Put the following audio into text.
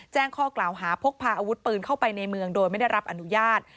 แจ้งข้อกล่าวหาพกพาอาวุธปืนเข้าไปในเมืองโดยไม่ได้รับอนุญาต